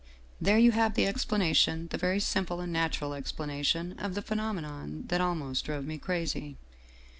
" There you have the explanation, the very simple and natural explanation of the phenomenon that almost drove me crazy.